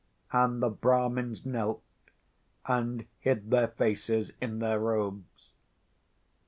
And the Brahmins knelt and hid their faces in their robes.